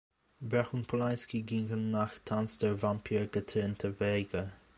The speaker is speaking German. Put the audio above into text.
Brach und Polanski gingen nach "Tanz der Vampire" getrennte Wege.